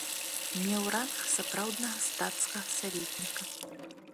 Меў ранг сапраўднага стацкага саветніка.